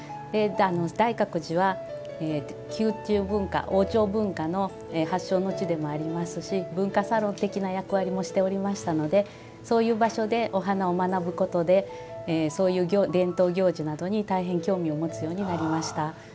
大覚寺は、宮中文化王朝文化の発祥の地でもありますし文化サロン的な役割もしておりましたのでそういう場所でお花を学ぶことでそういう伝統行事などに大変興味を持つようになりました。